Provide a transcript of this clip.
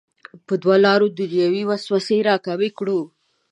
په دوو لارو دنیوي وسوسې راکمې کړو.